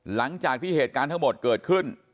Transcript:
หลังจากที่เหตุการณ์ทั้งหมดเกิดขึ้น